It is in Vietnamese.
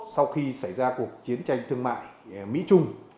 sau khi xảy ra công tác